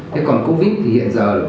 thế còn covid thì hiện giờ